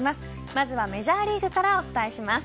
まずは、メジャーリーグからお伝えします。